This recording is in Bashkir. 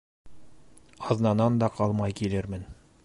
Аҙнанан да ҡалмай килермен.